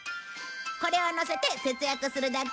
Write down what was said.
これをのせて節約するだけ！